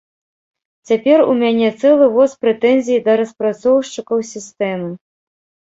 Цяпер у мяне цэлы воз прэтэнзій да распрацоўшчыкаў сістэмы.